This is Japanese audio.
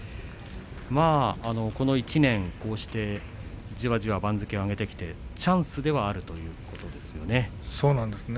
この１年、こうしてじわじわ番付を上げて、チャンスはあるということですね。